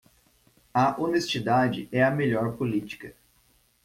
A honestidade é a melhor política.